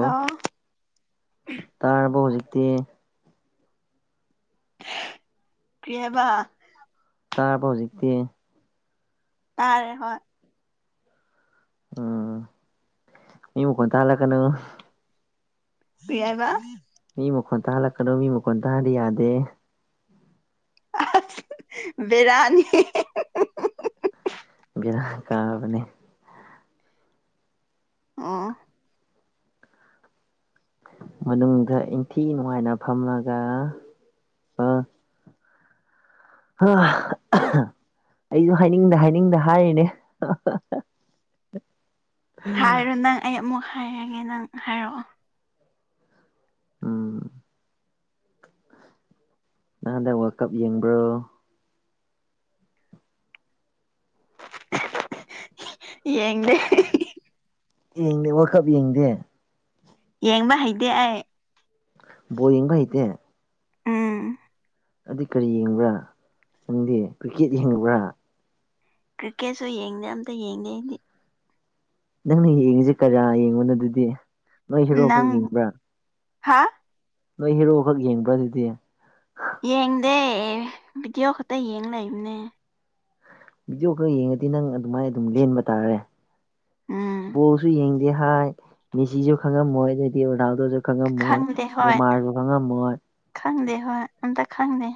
hello ꯇꯥꯔꯕ ꯍꯧꯖꯤꯛꯇꯤ ꯀ꯭ꯔꯤ ꯍꯥꯢꯕ ꯇꯥꯔꯕ ꯍꯧꯖꯤꯛꯇꯤ ꯇꯥꯔꯦ ꯍꯣꯏ ꯎꯝ ꯃꯤ ꯃꯈꯣꯟ ꯇꯥꯍꯟꯂꯛꯀꯅꯣ ꯌꯥꯔꯔꯕ ꯃꯤ ꯃꯈꯣꯟ ꯇꯥꯜꯂꯛꯀꯅꯨ ꯃꯤ ꯃꯈꯣꯟ ꯇꯥꯗꯤ ꯌꯥꯗꯦ ꯕꯦꯔꯅꯤ ꯕꯦꯔꯥ ꯀꯥꯕꯅꯦ ꯑꯝ ꯃꯅꯨꯡꯗ ꯏꯟꯊꯤ ꯅꯨꯡꯉꯥꯏꯅ ꯐꯝꯂꯒ ꯑꯩꯁꯨ ꯍꯥꯏꯅꯤꯡꯗ ꯍꯥꯏꯅꯤꯡꯗ ꯍꯥꯏꯔꯤꯅꯦ [inaudible] ꯍꯥꯏꯔꯣ ꯅꯪ ꯑꯩ ꯑꯃꯨꯛ ꯍꯥꯏꯔꯒꯦ ꯅꯪ ꯍꯥꯏꯔꯛꯑꯣ ꯎꯝ ꯅꯪꯗꯤ ꯋꯥꯔ ꯀꯞ ꯌꯦꯡꯕ꯭ꯔꯣ ꯌꯦꯡꯗꯦ ꯌꯦꯡꯗꯦ ꯋꯥꯈꯞ ꯌꯦꯡꯗꯦ ꯌꯦꯡꯕ ꯍꯩꯇꯦ ꯑꯩ ꯕꯣꯜ ꯌꯦꯡꯕ ꯍꯩꯇꯦ ꯎꯝ ꯑꯗꯨ ꯀꯔꯤ ꯌꯦꯡꯕ꯭ꯔꯥ ꯅꯪꯗꯤ ꯀ꯭ꯔꯤꯀꯦꯠ ꯌꯦꯡꯕ꯭ꯔꯥ ꯀ꯭ꯔꯤꯛꯀꯦꯠꯁꯨ ꯌꯦꯡꯗꯦ ꯑꯝꯇ ꯌꯦꯡꯗꯦ ꯑꯩꯗꯤ ꯅꯪꯅ ꯌꯦꯡꯉꯁꯤ ꯀꯖꯥ ꯌꯦꯡꯉꯣꯅ ꯑꯗꯨꯗꯤ ꯅꯣꯏ ꯍꯦꯔꯣꯛꯈꯛ ꯌꯦꯡꯕ꯭ꯔꯥ ꯍꯥꯥ [inaudible] ꯅꯣꯏ ꯍꯦꯔꯣꯈꯛ ꯌꯦꯡꯕ꯭ꯔꯥ ꯑꯗꯨꯗꯤ ꯌꯦꯡꯗꯦ ꯚꯤꯗꯤꯑꯣ ꯈꯛꯇ ꯌꯦꯡ ꯂꯩꯕꯅꯦ ꯚꯗꯤꯑꯣ ꯈꯔ ꯌꯦꯡꯉꯗꯤ ꯅꯪ ꯑꯗꯨꯃꯥꯏꯅ ꯑꯗꯨꯝ ꯂꯦꯟꯕ ꯇꯥꯔꯦ ꯎꯝ ꯕꯣꯜꯁꯨ ꯌꯦꯡ ꯍꯥꯏꯥꯏ ꯃꯅꯤꯁꯤꯁꯨ ꯈꯪꯉ ꯃꯣꯏꯗꯤ ꯑꯣꯅꯥꯎꯗꯁꯨ ꯈꯪꯗꯦ ꯈꯪꯉꯝꯃꯣꯏ ꯍꯣꯏ ꯃꯥꯔꯁꯨ ꯈꯪꯉꯝꯃꯣꯏ ꯈꯪꯗꯦ ꯍꯣꯏ ꯑꯇ ꯈꯪꯗꯦ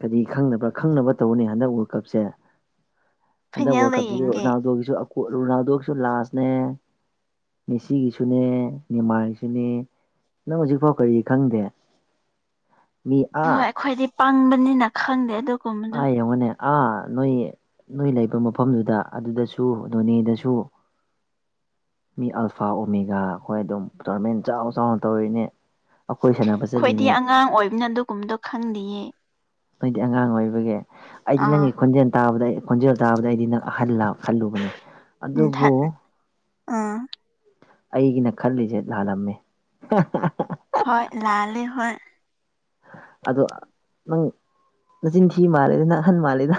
ꯀꯔꯤ ꯈꯪꯅꯕ꯭ꯔꯥ ꯈꯪꯅꯕ ꯇꯧꯕꯅꯤ ꯍꯟꯗꯛ ꯋꯥꯔꯜ ꯀꯞꯁꯦ ꯍꯟꯗꯛ ꯋꯥꯔꯜ ꯐꯥꯏꯅꯦꯜꯗ ꯀꯞꯁꯤꯗꯤ ꯌꯦꯡꯒꯦ ꯔꯣꯅꯥꯜꯗꯣꯒꯤꯁꯨ ꯔꯣꯅꯥꯜꯗꯣꯒꯤꯁꯨ ꯂꯥꯁꯅꯦ ꯃꯦꯁꯤꯒꯤꯁꯨꯅꯦ ꯅꯅꯤꯦꯃꯥꯒꯤꯁꯨꯅꯦ ꯅꯪ ꯍꯧꯖꯤꯛꯐꯥꯎ ꯀꯔꯤ ꯈꯪꯗꯦ ꯃꯤ ꯑ ꯍꯣꯏ ꯑꯩꯈꯣꯏꯗꯤ ꯄꯪꯕꯅꯤꯅ ꯈꯪꯗꯦ ꯑꯗꯨ ꯍꯥꯏ ꯃꯅꯦ ꯑꯥ ꯅꯣꯏ ꯅꯣꯏ ꯂꯩꯕ ꯃꯐꯝꯗꯨꯗ ꯑꯗꯨꯗꯁꯨ ꯅꯣꯅꯦꯗꯁꯨ ꯃꯤ ꯑꯜꯐꯥ ꯑꯣꯃꯤꯒꯥ ꯑꯩꯈꯣꯏ ꯑꯗꯨꯝ ꯇꯣꯔꯃꯦꯟ ꯆꯥꯎ ꯆꯥꯎꯅ ꯇꯧꯔꯤꯅꯦ ꯑꯩꯈꯣꯏ ꯁꯥꯟꯅꯕ ꯑꯩꯈꯣꯏꯗꯤ ꯆꯠꯂꯤꯅꯦ ꯑꯉꯥꯡ ꯑꯣꯏꯕꯅ ꯑꯗꯨꯒꯨꯝꯗꯣ ꯈꯪꯂꯤꯌꯦ ꯑꯩꯗꯤ ꯑꯉꯥꯡ ꯑꯣꯏꯕꯒꯤ ꯑꯩꯗꯤ ꯑꯥ ꯅꯪꯒꯤ ꯈꯣꯟꯖꯦꯜ ꯇꯥꯕꯗ ꯑꯩ ꯈꯣꯟꯖꯦꯜ ꯇꯥꯕꯗ ꯑꯩꯗꯤ ꯅꯪꯍꯜ ꯈꯜꯂꯨꯕꯅꯦ ꯑꯗꯨꯕꯨ ꯑꯥ ꯑꯩꯒꯤꯅ ꯈꯜꯂꯤꯁꯦ ꯂꯥꯜꯂꯝꯃꯦ ꯍꯣꯏ ꯂꯥꯜꯂꯦ ꯍꯣꯏ ꯑꯗꯣ ꯅꯪ ꯅꯆꯤꯟꯊꯤ ꯃꯥꯜꯂꯦꯗ ꯅꯪ ꯑꯍꯟ ꯃꯥꯜꯂꯦꯗ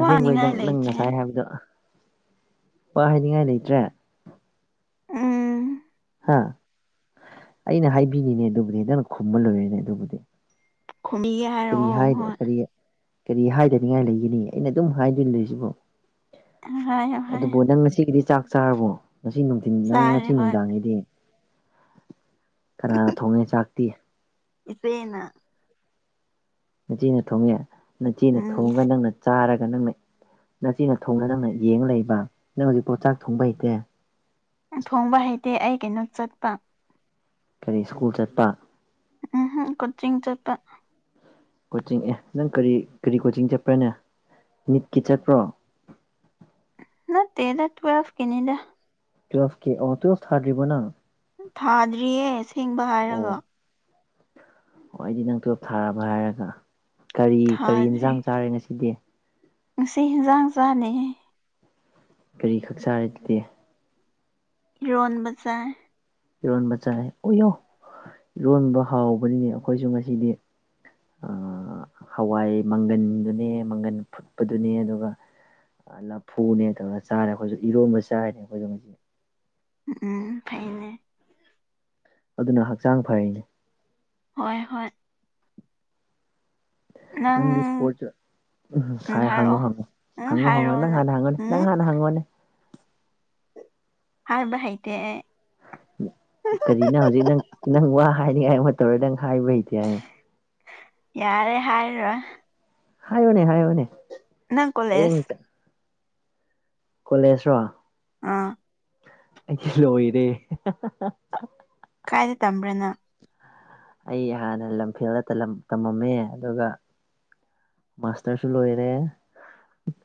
ꯑꯁꯦꯡꯕꯩ ꯅꯪ ꯅꯪ ꯂꯩꯇꯦ ꯉꯁꯥꯏ ꯍꯥꯏꯕꯗꯣ ꯋꯥ ꯍꯥꯏꯅꯤꯡꯉꯥꯏ ꯂꯩꯇ꯭ꯔꯦ ꯎꯝ ꯍꯥ ꯑꯩꯅ ꯍꯥꯏꯕꯤꯅꯤꯅꯦ ꯑꯗꯨꯕꯨꯗꯤ ꯍꯦꯗꯪ ꯈꯨꯝꯕ ꯂꯣꯏꯔꯅꯦ ꯑꯗꯨꯕꯨꯗꯤ ꯈꯨꯝꯕꯤꯒꯦ ꯀꯔꯤ ꯍꯥꯏꯔꯛꯑꯣ ꯍꯥꯏꯗ ꯍꯣꯏ ꯀꯔꯤ ꯀꯔꯤ ꯍꯥꯏꯗꯅꯤꯡꯉꯥꯏ ꯂꯩꯒꯅꯤ ꯑꯩꯅ ꯑꯗꯨꯝ ꯍꯥꯏꯗꯣꯏ ꯂꯩꯁꯤꯕꯨꯣ ꯍꯥꯏꯌꯣ ꯑꯗꯨꯕꯨ ꯍꯥꯏꯌꯣ ꯅꯪ ꯉꯁꯤꯒꯤꯗꯤ ꯆꯥꯛ ꯆꯥꯛ ꯆꯥꯔꯕꯣ ꯉꯁꯤ ꯅꯨꯡꯊꯤꯟ ꯅꯪ ꯆꯥꯔꯦ ꯉꯁꯤ ꯍꯣꯏ ꯅꯨꯡꯗꯥꯡꯒꯤꯗꯤ ꯀꯅꯥꯅ ꯊꯣꯡꯉꯦ ꯆꯥꯛꯇꯤ ꯏꯐꯦꯅ ꯅꯆꯦꯅ ꯊꯣꯡꯉꯦ ꯅꯆꯦꯅ ꯎꯝ ꯊꯣꯡꯉꯒ ꯅꯪꯅ ꯆꯥꯔꯒ ꯅꯪꯅ ꯅꯆꯤꯅ ꯊꯣꯡꯉ ꯅꯪꯅ ꯌꯦꯡꯉ ꯂꯩꯕ ꯅꯪ ꯍꯧꯖꯤꯛ ꯄꯣꯠ ꯆꯥꯛ ꯊꯣꯡꯕ ꯍꯩꯇꯦ ꯊꯣꯡꯕ ꯍꯩꯇꯦ ꯑꯩ ꯀꯩꯅꯣ ꯆꯠꯄ ꯀꯔꯤ ꯁꯀꯨꯜ ꯆꯠꯄ ꯎꯝꯝ ꯈꯨꯆꯤꯡꯤꯡ ꯆꯦꯄꯦ ꯀꯣꯆꯤꯡ ꯑꯦ ꯅꯪ ꯀꯔꯤ ꯀꯔꯤ ꯀꯣꯆꯤꯡ ꯆꯠꯄ꯭ꯔꯥꯅꯦ ꯅꯤꯠꯀꯤ ꯆꯠꯄ꯭ꯔꯣ [unintelligible] ꯅ ꯇꯗ ꯇꯨꯋꯦꯜꯐ ꯀꯅꯤꯗ ꯇꯨꯋ ꯀꯦ ꯑꯣ ꯇ ꯊꯔꯔꯤꯕꯅ ꯊꯥꯗ꯭ꯔꯤꯌꯦ ꯁꯦꯡꯕ ꯍꯥꯏꯔꯒ ꯍꯣꯏꯗꯤ ꯅꯪ ꯇꯣꯞ ꯊꯥꯔꯕ ꯍꯥꯏꯔꯒ ꯀꯔꯤ ꯀꯔꯤ ꯏꯟꯁꯥꯡ ꯆꯥꯔꯦ ꯉꯁꯤꯗꯤ ꯉꯖꯥꯡ ꯆꯂ ꯀꯔꯤ ꯈꯛ ꯆꯥꯔꯤꯗꯤ ꯂꯣꯟ ꯕꯖꯔ ꯏꯔꯣꯟꯕ ꯆꯥꯏ ꯎꯌꯣ ꯏꯔꯣꯟꯕ ꯍꯥꯎꯕꯅꯤꯅꯦ ꯑꯩꯈꯣꯏꯁꯨ ꯉꯁꯤꯗꯤ ꯍꯋꯥꯏ ꯃꯪꯒꯟꯗꯨꯅꯦ ꯃꯪꯒꯟ ꯐꯨꯠꯄꯗꯨꯅꯦ ꯑꯗꯨꯒ ꯂꯐꯨꯅꯦ ꯇꯧꯔꯒ ꯆꯥꯔꯦ ꯑꯩꯈꯣꯏꯁꯨ ꯏꯔꯣꯝꯕ ꯆꯥꯏꯔꯦ ꯑꯩꯈꯣꯏꯁꯨ ꯃꯁꯤ ꯎꯝ ꯐꯥꯏꯅꯦ ꯑꯗꯨꯅ ꯍꯛꯆꯥꯡ ꯐꯩꯅꯤ ꯍꯣꯏ ꯍꯣꯏ ꯅꯪ ꯅꯪꯗꯤ ꯏꯁꯄꯣꯔꯠꯁ ꯎꯝ ꯍꯥꯏ ꯍꯪꯉꯣ ꯍꯪꯉꯣ ꯎꯝ ꯍꯪꯉꯣ ꯍꯪꯉꯣ ꯍꯥꯏꯔꯛꯑꯣ ꯅꯪ ꯍꯥꯟꯅ ꯍꯥꯡꯉꯣꯅꯦ ꯎꯝ ꯅꯪ ꯍꯥꯟꯅ ꯍꯪꯉꯣꯅꯦ ꯍꯥꯏꯕ ꯍꯩꯇꯦ ꯑꯩ ꯀꯔꯤꯅꯣ ꯍꯧꯖꯤꯛ ꯅꯪ ꯅꯪ ꯋꯥ ꯍꯥꯏꯅꯤꯡꯉꯥꯏ ꯇꯧꯔ ꯅꯪ ꯍꯥꯏꯕ ꯍꯩꯇꯦ ꯍꯥꯏ ꯌꯥꯔꯦ ꯍꯥꯏꯔꯣꯏ ꯍꯥꯏꯌꯣꯅꯦ ꯍꯥꯏꯌꯣꯅꯦ ꯅꯪ ꯀꯣꯂꯦꯖ ꯀꯣꯂꯦꯖ ꯔꯣ ꯑꯥ ꯑꯩ ꯂꯣꯏꯔꯦ ꯇꯝꯕ꯭ꯔ ꯅꯪ ꯑꯩ ꯍꯥꯟꯅ ꯂꯝꯐꯦꯜꯗ ꯇꯝꯂꯝ ꯇꯝꯃꯝꯃꯦ ꯑꯗꯨꯒ ꯃꯥꯁꯇꯔꯁꯨ ꯂꯣꯏꯔꯦ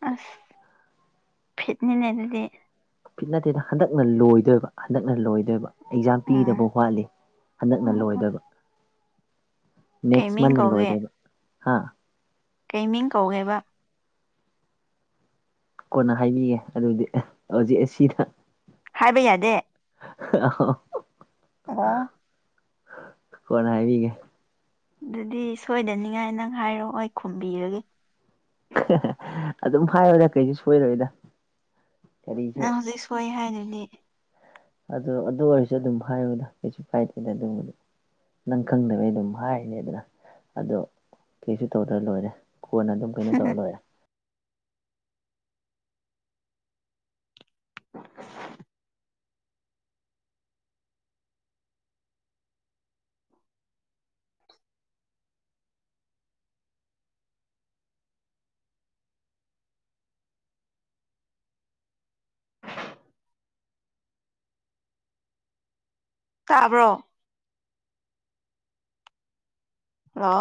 ꯑꯁ ꯐꯤꯠꯅꯤꯅꯦ ꯑꯗꯨꯗꯤ ꯐꯤꯠ ꯅꯠꯇꯦꯗ ꯍꯟꯗꯛꯅ ꯂꯣꯏꯗꯣꯏꯕ ꯍꯟꯗꯛꯅ ꯂꯣꯏꯗꯣꯏꯕ ꯑꯦꯛꯖꯥꯝ ꯎꯝ ꯄꯤꯗꯕ ꯋꯥꯠꯂꯤ ꯍꯟꯗꯛꯅ ꯎꯝ ꯎꯝ ꯂꯣꯏꯗꯣꯏꯕ ꯀꯩ ꯅꯦꯛꯁ ꯃꯟꯅ ꯂꯣꯏꯗꯣꯏꯕ ꯍꯥ ꯀꯩꯃꯤꯡ ꯀꯧꯒꯦꯕ ꯀꯣꯟꯅ ꯍꯥꯏꯕꯤꯒꯦ ꯑꯗꯨꯗꯤ ꯍꯧꯖꯤꯛ ꯑꯁꯤꯗ ꯍꯥꯏꯕ ꯌꯥꯗꯦ [unintelligible] ꯑꯣ ꯀꯣꯟꯅ ꯍꯥꯏꯕꯤꯒꯦ ꯑꯗꯨꯗꯤ ꯁꯣꯏꯗꯅꯤꯡꯉꯥꯏ ꯅꯪ ꯍꯥꯏꯔꯛꯑꯣ ꯑꯩ ꯈꯨꯝꯕꯤꯔꯒꯦ ꯑꯗꯨꯝ ꯍꯥꯏꯕꯗ ꯀꯩꯁꯨ ꯁꯣꯏꯔꯣꯏꯗ ꯅꯪ ꯀꯔꯤꯁꯨ ꯍꯧꯖꯤꯛ ꯁꯣꯏ ꯍꯥꯏꯗꯨꯗꯤ ꯑꯗꯨ ꯑꯗꯨ ꯑꯣꯏꯔꯁꯨ ꯑꯗꯨꯝ ꯍꯥꯏꯌꯣꯗ ꯀꯩꯁꯨ ꯀꯥꯏꯗꯦꯗ ꯑꯗꯨꯝꯕꯗꯤ ꯅꯪ ꯈꯪꯗꯕꯩ ꯑꯗꯨꯝ ꯍꯥꯏꯔꯤꯅꯤꯗꯅ ꯑꯗꯣ ꯀꯩꯁꯨ ꯇꯧꯗ꯭ꯔ ꯂꯣꯏꯔꯦ ꯀꯣꯟꯅ ꯑꯗꯨꯝ ꯀꯩꯅꯣ ꯇꯧꯔ ꯂꯣꯏꯔꯦ ꯇꯥꯕ꯭ꯔꯣ ꯂꯣ